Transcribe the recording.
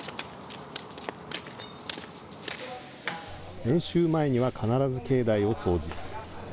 練習前には必ず境内を掃除。